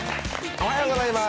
おはようございます。